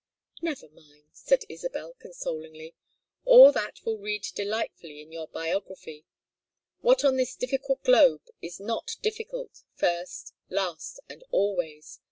"Never mind," said Isabel, consolingly. "All that will read delightfully in your biography. What on this difficult globe is not difficult, first, last, and always?